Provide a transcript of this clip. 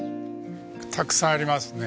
たくさんありますね。